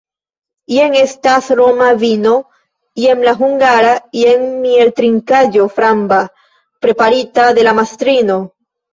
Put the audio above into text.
Jen estas roma vino, jen la hungara, jen mieltrinkaĵo framba, preparita de la mastrino!